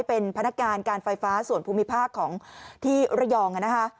เป็นพนักการการไฟฟ้าส่วนภูมิภาคของที่ระยอง